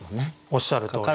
おっしゃるとおり。